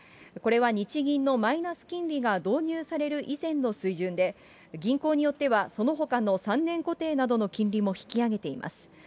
これは日銀のマイナス金利が導入される以前の水準で、銀行によっては、そのほかの３年固定などの金利も引き上げています。